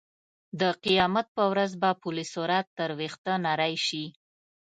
د قیامت په ورځ به پل صراط تر وېښته نرۍ شي.